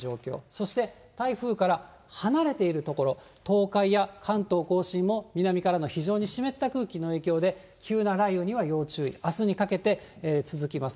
そして台風から離れている所、東海や関東甲信も南からの非常に湿った空気の影響で、急な雷雨には要注意、あすにかけて続きます。